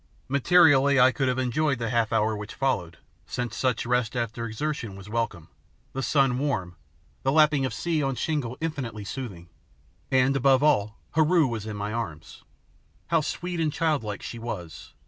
Materially I could have enjoyed the half hour which followed, since such rest after exertion was welcome, the sun warm, the lapping of sea on shingle infinitely soothing, and, above all, Heru was in my arms! How sweet and childlike she was!